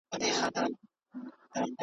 چي دي راوړې کیسه ناښاده .